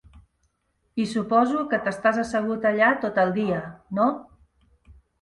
I suposo que t"estàs assegut allà tot el dia, no?